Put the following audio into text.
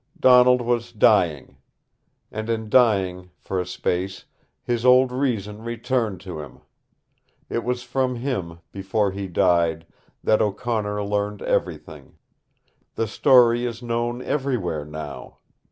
Donald was dying. And in dying, for a space, his old reason returned to him. It was from him, before he died, that O'Connor learned everything. The story is known everywhere now.